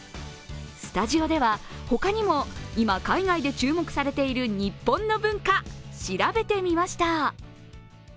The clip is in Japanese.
スタジオでは他にも今、海外で注目されている日本の文化、調べてみました。